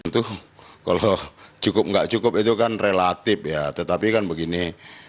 itu kalau cukup nggak cukup itu kan relatif ya tetapi kan begini